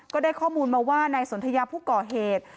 ก็ได้ข้อมูลมาว่านายสนทยาผู้ก่อเหตุ